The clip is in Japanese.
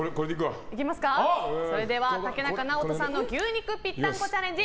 竹中直人さんの牛肉ぴったんこチャレンジ